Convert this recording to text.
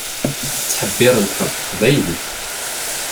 Ttḥebbiṛent ɣef teqbaylit.